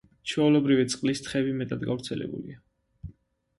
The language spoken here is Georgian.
ჩვეულებრივი წყლის თხები მეტად გავრცელებულია.